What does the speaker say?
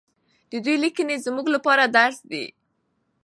د دوی لیکنې زموږ لپاره درس دی.